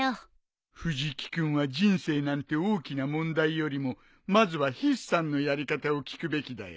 藤木君は人生なんて大きな問題よりもまずは筆算のやり方を聞くべきだよ。